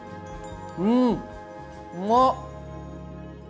うんうま！